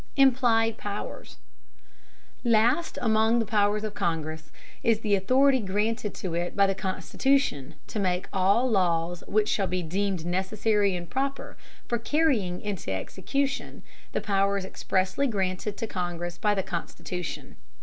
Implied powers. Last among the powers of Congress is the authority granted to it by the Constitution to make all laws which shall be deemed necessary and proper for carrying into execution the powers expressly granted to Congress by the Constitution.